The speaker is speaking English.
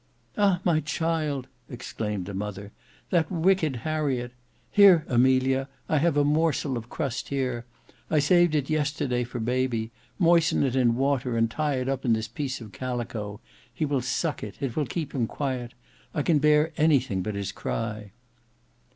"Ah! my child!" exclaimed the mother. "That wicked Harriet! Here Amelia, I have a morsel of crust here. I saved it yesterday for baby; moisten it in water, and tie it up in this piece of calico: he will suck it; it will keep him quiet; I can bear anything but his cry."